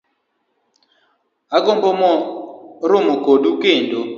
Agombo romo kodu kendo